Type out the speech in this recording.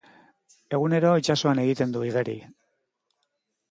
Egunero itsasoan egiten du igeri.